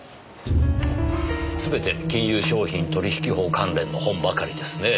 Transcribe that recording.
すべて金融商品取引法関連の本ばかりですね。